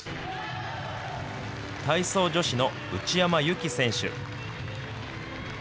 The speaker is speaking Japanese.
体操女子の内山由綺選手。